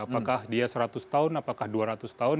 apakah dia seratus tahun apakah dua ratus tahun